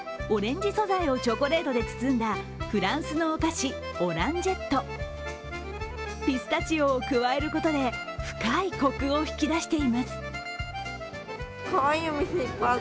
オレンジ素材をチョコレートで包んだフランスのお菓子、オランジェットピスタチオを加えることで深いコクを引き出しています。